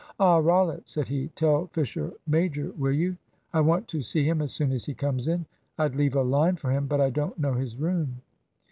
"Ah, Rollitt," said he, "tell Fisher major, will you, I want to see him as soon as he comes in. I'd leave a line for him, but I don't know his room."